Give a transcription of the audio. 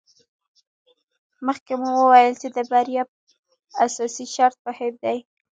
مخکې مو وویل چې د بریا اساسي شرط مهم دی.